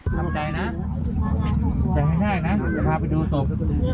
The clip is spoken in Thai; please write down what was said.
ทำใจนะแต่ง่ายนะจะพาไปดูตก